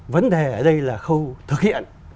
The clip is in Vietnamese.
vấn đề ở đây là khâu thực hiện